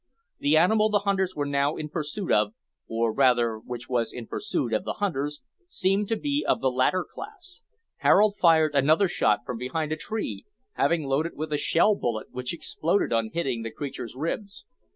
The animal the hunters were now in pursuit of, or rather which was in pursuit of the hunters, seemed to be of the latter class. Harold fired another shot from behind a tree, having loaded with a shell bullet, which exploded on hitting the creature's ribs.